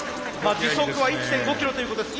時速は１．５キロということです。